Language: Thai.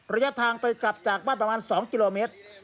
ระยะทางไปกลับจากบ้านประมาณ๒กิโลเมตร